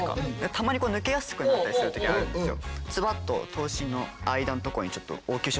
たまに抜けやすくなったりする時あるんですよ。